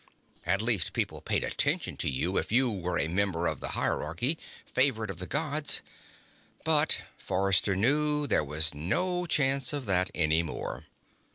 At least people paid attention to you if you were a member of the hierarchy, favored of the Gods. But, Forrester knew, there was no chance of that any more.